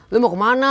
lo mau kemana